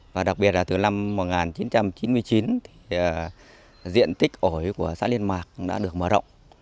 và đặc biệt là từ năm một nghìn chín trăm chín mươi chín thì diện tích ổi của xã liên mạc đã được mở rộng